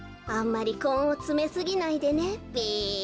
あんまりこんをつめすぎないでねべ。